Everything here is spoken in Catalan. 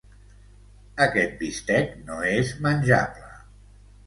Aquest bistec no és menjable.